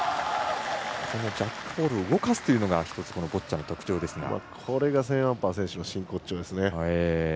ジャックボールを動かすというのがこれがセーンアンパー選手の真骨頂ですね。